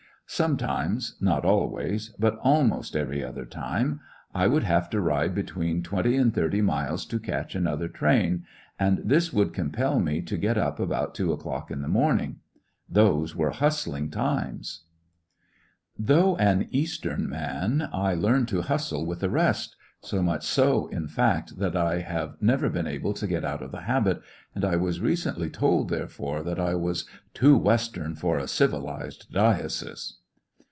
Sometimes— not always, but almost every other time— I would have to ride between twenty and thirty miles to catch another train, 122 ^j/lissionarY in tge Great West and this would compel me to get up about two o'clock in the morning. Those were hustling times! Though an Eastern man^ I learned to hustle Too Western with the rest— so much so, in fact, that I have never been able to get out of the habit, and I was recently told, therefore, that I was "too Western for a civilized diocese."